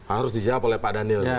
harus dijawab oleh pak daniel